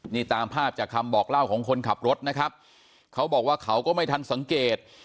นี่ตามภาพจากคำบอกเล่าของคนขับรถนะครับเขาบอกว่าเขาก็ไม่ทันสังเกต